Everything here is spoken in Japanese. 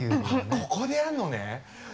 ここでやんのね！